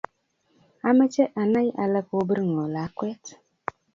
Amexhe ani ale kobir ng'o lakwet